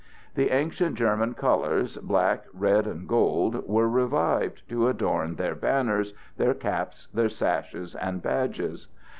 The ancient German colors, black, red and gold, were revived to adorn their banners, their caps, their sashes and badges.